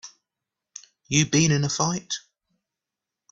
You been in a fight?